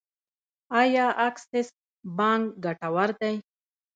آیا اکسس بانک ګټور دی؟